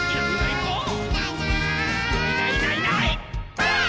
ばあっ！